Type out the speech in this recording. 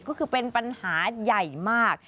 ก็คือเป็นปัญหาใหญ่มาก